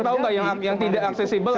tahu nggak yang tidak aksesibel